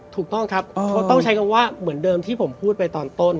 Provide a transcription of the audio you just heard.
ถูกต้องครับเขาต้องใช้คำว่าเหมือนเดิมที่ผมพูดไปตอนต้น